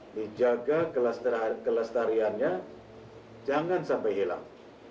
menjaga kelestariannya jangan sampai hilang